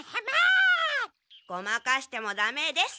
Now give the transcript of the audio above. ごまかしてもダメです。